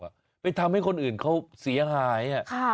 ไปทำให้คนอื่นเขาเสียหาย